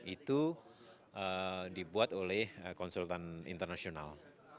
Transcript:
itu dibuat oleh konsultan internasional